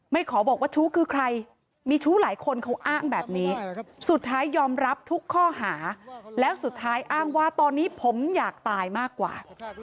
ขอบอกว่าชู้คือใครมีชู้หลายคนเขาอ้างแบบนี้สุดท้ายยอมรับทุกข้อหาแล้วสุดท้ายอ้างว่าตอนนี้ผมอยากตายมากกว่า